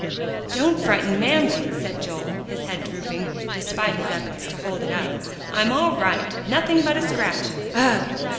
"Don't frighten Mamsie," said Joel, his head drooping, despite his efforts to hold it up. "I'm all right; nothing but a scratch. Ugh!